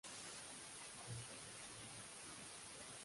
Ha desaparecido esa costumbre.